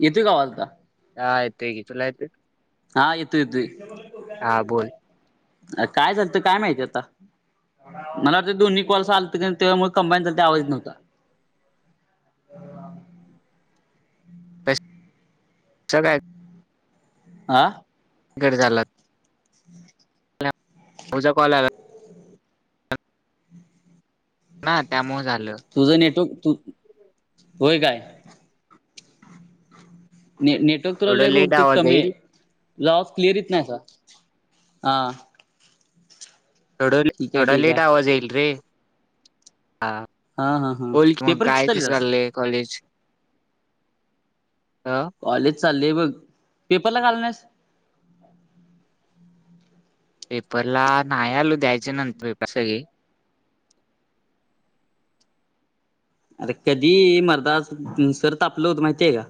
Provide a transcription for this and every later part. येतोय का आवाज आता. हा येतोय की तुला येतोय. हा येतोय येतोय हा बोल काय झालंत काय माहिती आता. मला वाटतं दो्ही कॉलचालतं तेव्हाळ कंबाईन ल आवाज नव्हता. [unintelligible] आं कट झाला हम् तुझा कॉल आला. ना त्यामुळे झालं. तुझं नेटवर्क तू होय काय. ने नेटवर्क तुला थोडं लय लेट बहुतेक आवाज कमी येईल आहे. जास क्लिअर येत नाहीय हा. थोड ठीक आहे थोडा ठीक लेट आहे आवाज येईल रे हा. हा हा हा बोल की मग पेपर किती काय कस चाललेत चाललय कॉलेज अ कॉलेज चाललेय बघ पेपरला का आला नाहीस? ह् पेपरला नाही आलो द्यायच्या नंतर [inaudible] सगळे. अरे कधी मर्दा सर तापलं होतं माहितीय का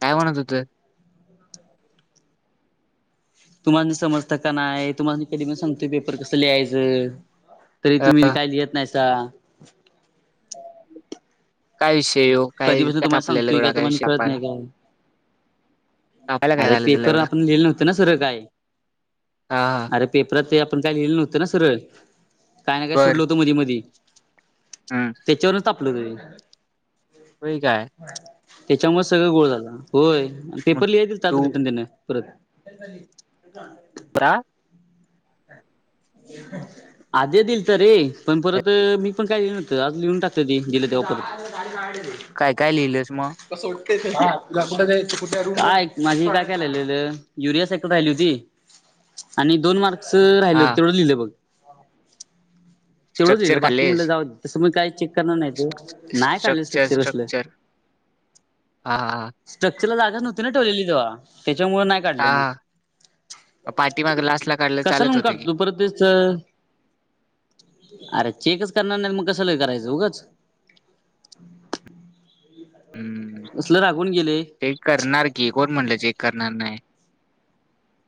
काय म्हणत होते. तुम्हाला म समजता का नाही तुम्हाला म कधी मी सांगतोय पेपर कसं लिहायचं. तरी अ तुम्ही काय लिहेत नाहीसा. काय विषय. हो काय कधीपासून काय तुम्हा तापलेला सांतय काय एवढा तुम्हाला विषय खळत तापायला नाही काय. तापायला काय अरे झालं त्याला पेपर एवढं आपण लिहिले नव्हत ना सरळ काय हा हा अरे पेपरात ते आपण काय लिहिले नव्हते ना सगळं. काय ना काय बर सोडल होतं मधी मधी हम्म त्याच्यावरच तपलं त होय काय त्याच्यामुळे सगळं गोळ झाला होय मग पेपर लिहा [unintelligible] त्यात तू रिटर्न देणार आहेत परत. क आधी दिईल तर रे पण परत मी पण काय लिहिल नव्हत आज लिहून टाकत ते दिले तेव्हा परत. गाडने काय काय लिहिलंस मग माझी काय युरिया साइकल राहिली होती. आणि दोन मार्क्स हा राहिल तेवढं लिहिलं बघ. तेवढंच होल स्ट्रक्चर बाकी म्हटलं खाल्लेस जाऊ तसं मी काही चेक करणार नाहीत नाही काढलं स्ट्रक्चर असलं. ह हा हा ह स्ट्रक्चरला जागाचव्हती ना ठेवलेली तेव्हा त्याच्यामुळं नाही काढलं मग. हां. हां, पाठीमाग लास्टला काढलं कशा चालत लवून होतं की. काढतो परतच अरे चेकच करणार नाही मग कसं ल करायचं उगंच. हं, असले रागवून गेले चेक करणार की कोण म्हणलं चेक करणार नाही.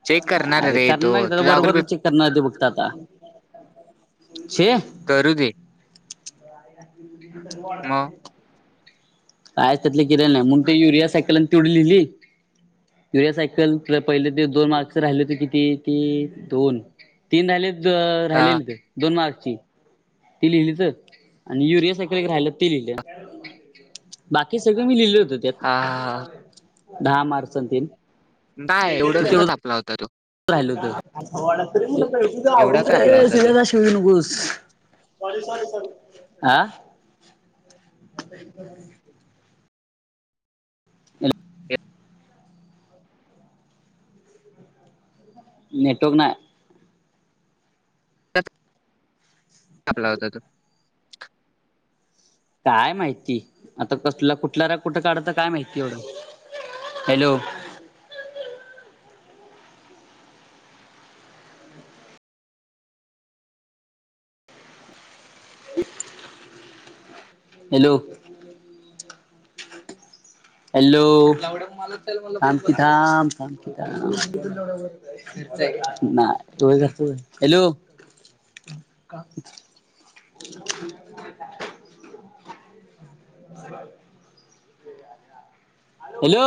चेक करणार अरे रे तो करणार त्याला बरोबर तुझं [unintelligible] चेक करणार दे कुठं ते आता. छे करु दे. मग [unintelligible] कायच त्यातले किलंय नाही मणून ते युरिया सायकला तिवड लिहिली. य्युरिया सायकल तर पहिले ते दोन मार्क्स राहिले होते किती ते दोन तीन राहिले हां, राहिलेले दोन मार्कची. ते लिहिलीच आणि युरिया सारख राहिलं ते लिहिलं बाकी सगळ मी लिहिल होत त्यात. हां, हां, हां. दहा मार्क च ते नाही एवढं एवढा ढापला होता तो. स एवढा का तापला होता तो? [unintelligible] आ अ [inaudible] नेटवर्क नाही. आपला होता तो. काय माहिती, आता कसला कुठला राग कुठं काढाता काय माहिती एवढं [inaudible] hello. Hello hello Shanti Dham Shantidham नाही. हॅलो, का हॅलो